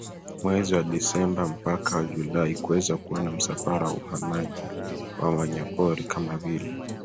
Mwezi wa Desemba mpaka Julai kuweza kuona msafara wa uhamaji wa Wanyamapori kama vile